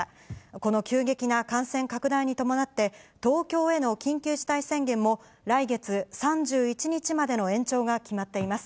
この急激な感染拡大に伴って、東京への緊急事態宣言も、来月３１日までの延長が決まっています。